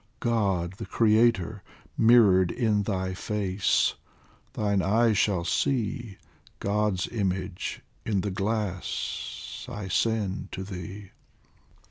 God the Creator mirrored in thy face Thine eyes shall see, God's image in the glass I send to thee.